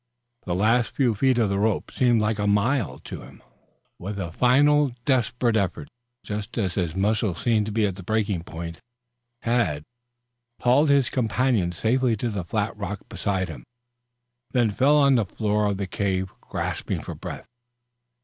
The last few feet of the rope seemed a mile to him. With a final desperate effort, just as his muscles seemed to be at the breaking point, Tad, hauled his companion safely to the flat rock beside him, then fell on the floor of the cave, gasping for breath.